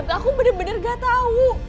aku bener bener gak tau